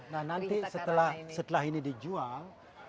nah nanti setelah ini dijual